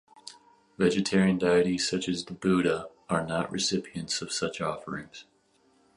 Vegetarian deities such as the Buddha are not recipients of such offerings.